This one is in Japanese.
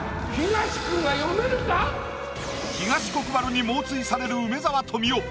東国原に猛追される梅沢富美男。